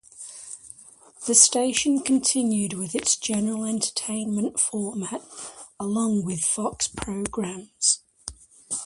The station continued with its general entertainment format, along with Fox programs.